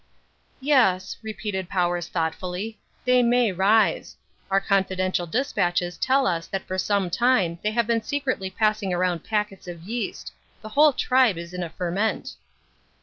"Yes," repeated Powers thoughtfully, "they may rise. Our confidential despatches tell us that for some time they have been secretly passing round packets of yeast. The whole tribe is in a ferment."